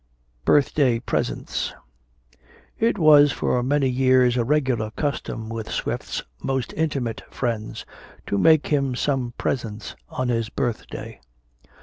BIRTH DAY PRESENTS. It was for many years a regular custom with Swift's most intimate friends to make him some presents on his birth day.